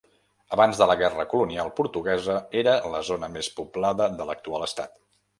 Abans de la Guerra Colonial Portuguesa era la zona més poblada de l'actual estat.